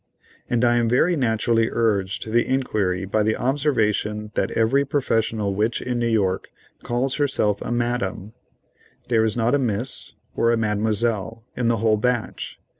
And I am very naturally urged to the inquiry by the observation that every professional witch in New York calls herself a "Madame." There is not a "Miss" or a "Mademoiselle," in the whole batch.